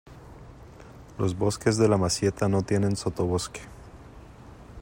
Los bosques de la Masieta no tienen sotobosque.